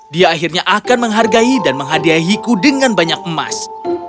dia akhirnya akan menghargai dan menghadiahiku dengan banyak emas